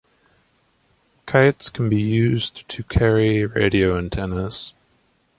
Kites can be used to carry radio antennas.